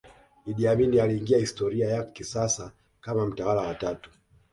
Idi Amin aliingia historia ya kisasa kama mtawala wa watu